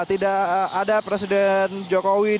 tidak ada presiden jokowi